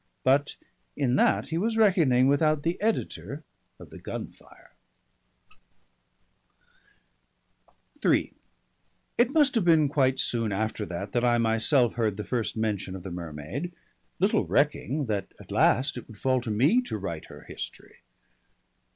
But in that he was reckoning without the editor of the Gunfire. III It must have been quite soon after that, that I myself heard the first mention of the mermaid, little recking that at last it would fall to me to write her history.